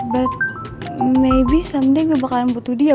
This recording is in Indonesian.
but maybe someday gue bakalan butuh dia